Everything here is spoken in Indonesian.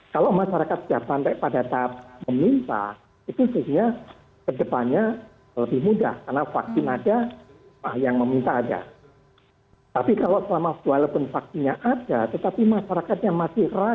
kalau tadinya kita melihat masyarakat tidak ada